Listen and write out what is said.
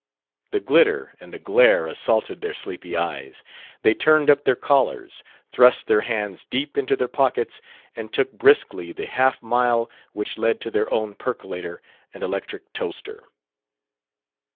The glitter and the glare assaulted their sleepy eyes. They turned up their collars, thrust their hands deep into their pockets, and took briskly the half mile which led to their own percolator and electric toaster.